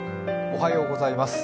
おはようございます。